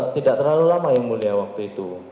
tidak terlalu lama yang mulia waktu itu